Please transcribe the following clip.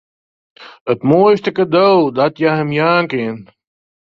It is it moaiste kado dat hja him jaan kin.